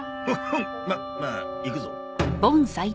ままあ行くぞ。